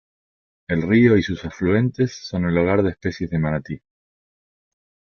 El río y sus afluentes son el hogar de especies de manatí.